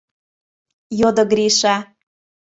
— йодо Гриша.